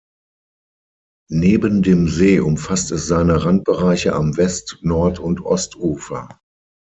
Neben dem See umfasst es seine Randbereiche am West-, Nord- und Ostufer.